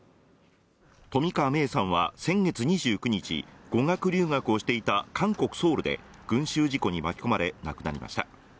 冨川芽生さんは先月２９日語学留学をしていた韓国ソウルで群集事故に巻き込まれ亡くなりました。